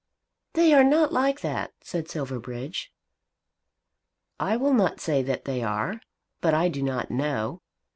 "They are not like that," said Silverbridge. "I will not say that they are, but I do not know.